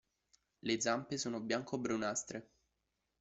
Le zampe sono bianco-brunastre.